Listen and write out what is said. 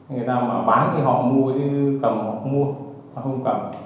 người ta mà bán thì họ mua chứ cầm họ không mua họ không cầm